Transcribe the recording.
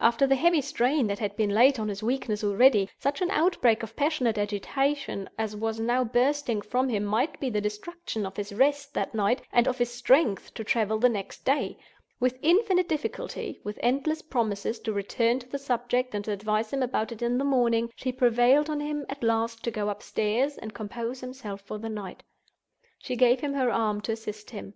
After the heavy strain that had been laid on his weakness already, such an outbreak of passionate agitation as was now bursting from him might be the destruction of his rest that night and of his strength to travel the next day. With infinite difficulty, with endless promises to return to the subject, and to advise him about it in the morning, she prevailed on him, at last, to go upstairs and compose himself for the night. She gave him her arm to assist him.